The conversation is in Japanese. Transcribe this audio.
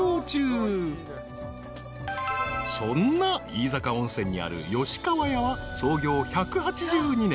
［そんな飯坂温泉にある吉川屋は創業１８２年］